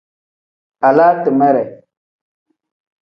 Alaa timere.